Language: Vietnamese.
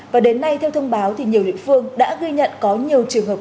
và đến nay theo thông báo nhiều địa phương đã ghi nhận có nhiều trường hợp dịch